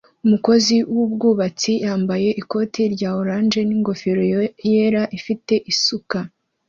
Umukozi wubwubatsi yambaye ikoti rya orange ningofero yera ifite isuka